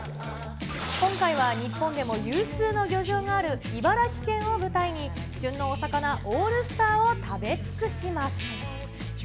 今回は日本でも有数の漁場がある茨城県を舞台に、旬のお魚オールスターを食べつくします。